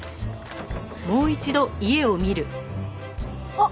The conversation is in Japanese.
あっ！